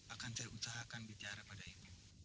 akan saya usahakan bicara pada ibu